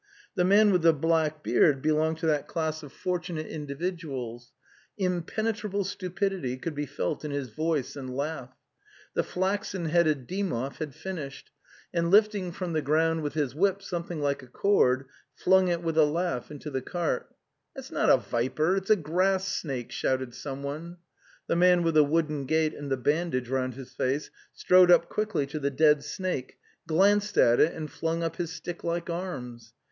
The man with the black beard belonged to that class of fortunate The Steppe 21 individuals; impenetrable stupidity could be felt in his voice and laugh. The flaxen headed Dymov had finished, and lifting from the ground with his whip something like a cord, flung it with a laugh into the Cart. '"That's not a viper; it's a grass snake! "' shouted someone. The man with the wooden gait and the bandage round his face strode up quickly to the dead snake, glanced at it and flung up his stick like arms.